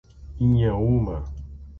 Inhaúma